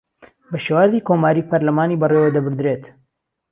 بە شێوازی کۆماریی پەرلەمانی بەڕێوەدەبردرێت